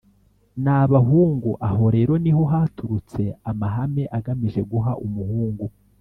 n’abahungu. Aho rero ni ho haturutse amahame agamije guha umuhungu